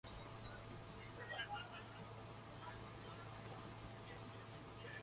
The Miami Hurricanes were invited, but no opponent could be found.